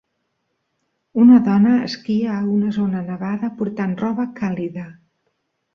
Una dona esquia a una zona nevada portant roba càlida.